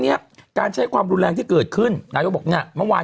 เนี้ยการใช้ความรุนแรงที่เกิดขึ้นนายกบอกเนี่ยเมื่อวาน